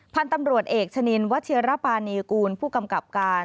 พันธุ์ตำรวจเอกชะนินวัชิรปานีกูลผู้กำกับการ